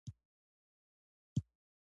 څه ګړی وروسته د بریتانویانو امبولانس راورسېد.